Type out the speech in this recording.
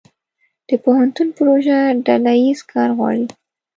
د پوهنتون پروژه ډله ییز کار غواړي.